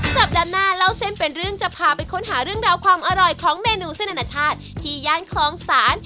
สัปดาห์หน้าเล่าเส้นเป็นเรื่องจะพาไปค้นหาเรื่องราวความอร่อยของเมนูเส้นอนาชาติที่ย่านคลองศาล